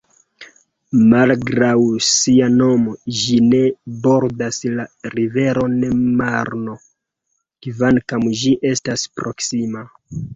Malgraŭ sia nomo, ĝi ne bordas la riveron Marno, kvankam ĝi estas proksima.